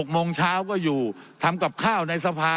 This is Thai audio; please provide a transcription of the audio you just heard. โมงเช้าก็อยู่ทำกับข้าวในสภา